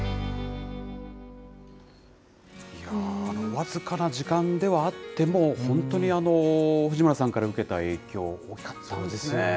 僅かな時間ではあっても、本当に藤村さんから受けた影響大きかったんですね。